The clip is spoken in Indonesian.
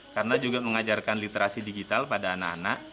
karena juga mengajarkan literasi digital pada anak anak